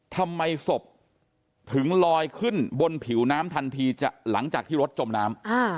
ทำไมศพถึงลอยขึ้นบนผิวน้ำทันทีหลังจากที่รถจมน้ำ